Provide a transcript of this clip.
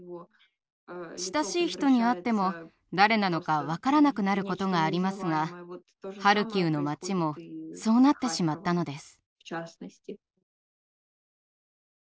親しい人に会っても誰なのか分からなくなることがありますがハルキウの町もそうなってしまったのです。